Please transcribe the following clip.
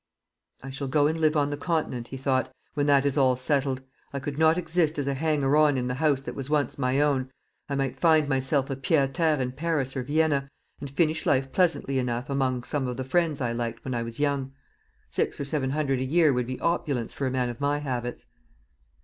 "I shall go and live on the Continent," he thought, "when that is all settled. I could not exist as a hanger on in the house that was once my own, I might find myself a pied à terre in Paris or Vienna, and finish life pleasantly enough among some of the friends I liked when I was young. Six or seven hundred a year would be opulence for a man of my habits."